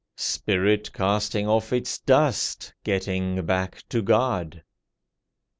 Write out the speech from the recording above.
Spirit casting off its dust, Getting back to God.